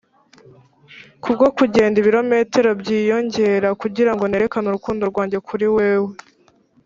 kubwo kugenda ibirometero byinyongera kugirango nerekane urukundo rwanjye kuri wewe.